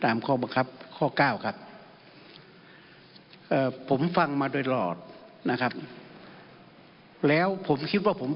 ตามข้อเมืองครับข้อ๙ครับ